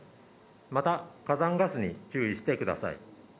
また火山ガスに注意してください。